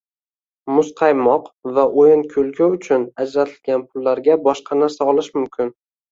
Muzqaymoq va o‘yin-kulgi uchun ajratilgan pullarga boshqa narsa olishi mumkin.